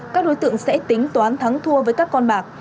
các đối tượng sẽ tính toán thắng thua với các con bạc